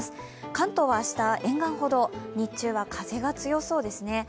関東は明日、沿岸ほど風が強そうですね。